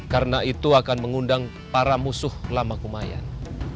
karena itu akan mengundang para musuh lama kumain